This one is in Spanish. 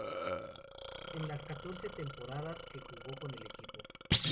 En las catorce temporadas que jugó con el equipo.